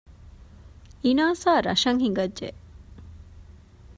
އިނާސާ ރަށަށް ހިނގައްޖެ